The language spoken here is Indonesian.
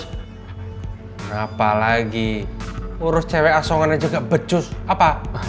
kenapa lagi urus cewek asongan aja gak becus apa